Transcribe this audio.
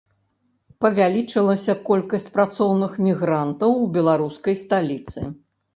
Павялічылася колькасць працоўных мігрантаў у беларускай сталіцы.